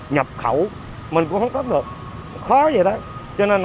nhập khẩu mình cũng không hút hết được khó vậy đó